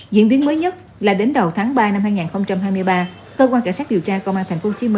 diễn biến mới nhất là đến đầu tháng ba năm hai nghìn hai mươi ba cơ quan cảnh sát điều tra công an tp hcm